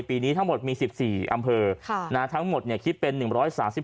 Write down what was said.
ปีนี้ทั้งหมดมีสิบสี่อัมเภอค่ะนะทั้งหมดเนี่ยคิดเป็นหนึ่งร้อยสามสิบ